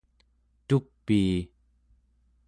tupii!